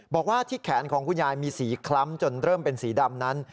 บอกว่าที่แขนของคุณยายมีสีคล้ำจนเริ่มเป็นสีดำนั้น